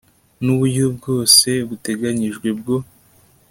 n uburyo bwose buteganyijwe bwo